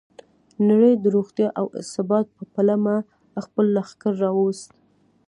نړۍ د روغتیا او ثبات په پلمه خپل لښکر راوست.